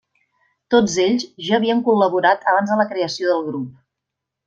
Tots ells ja havien col·laborat abans de la creació del grup.